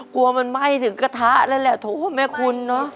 กลัวมันไหม้ถึงกระทะแล้วแหละโถแม่คุณเนอะ